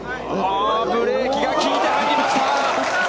ブレーキがきいて、入りました！